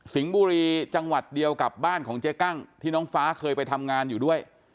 บุรีจังหวัดเดียวกับบ้านของเจ๊กั้งที่น้องฟ้าเคยไปทำงานอยู่ด้วย